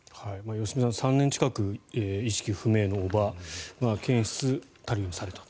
良純さん３年近く意識不明の叔母からタリウムが検出されたと。